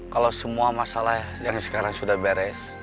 kalau semua masalah yang sekarang sudah beres